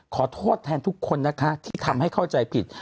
ขอโทษแทนทุกคนนะคะที่ทำให้เข้าใจผิด